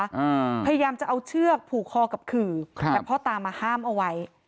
พยายามจะเอาเชือกผูกคอกับขื่อครับแต่พ่อตามาห้ามเอาไว้